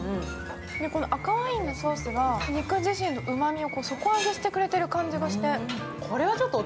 この赤ワインのソースが肉自身のうまみを底上げしてくれてる感じがして。